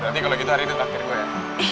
berarti kalo gitu hari ini terakhir gue ya